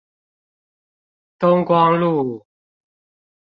東光路